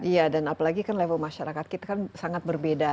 iya dan apalagi kan level masyarakat kita kan sangat berbeda